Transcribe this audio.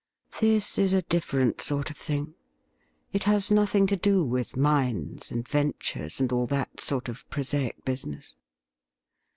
' This is a different sort of thing ; it has nothing to do ■with mines and ventures and all that sort of prosaic business.'